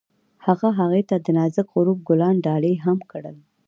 هغه هغې ته د نازک غروب ګلان ډالۍ هم کړل.